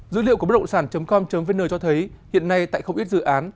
dữ liệu của bất động sản com vn cho thấy hiện nay tại không ít dự án